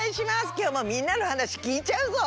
きょうもみんなのはなしきいちゃうぞ！